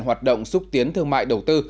hoạt động xúc tiến thương mại đầu tư